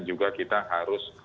juga kita harus